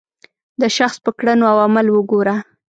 د شخص په کړنو او عمل وګوره.